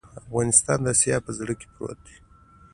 افغانستان د آسیا په زړه کې پروت هېواد دی.